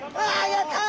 やった！